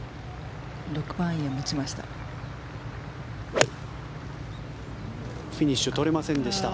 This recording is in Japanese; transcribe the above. ６番アイアンを持ちました。